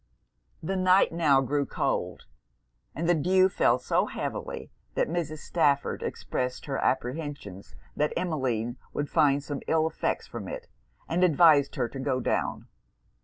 The night now grew cold; and the dew fell so heavily, that Mrs. Stafford expressed her apprehensions that Emmeline would find some ill effects from it, and advised her to go down.